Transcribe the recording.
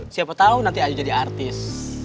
siapa tahu nanti ayu jadi artis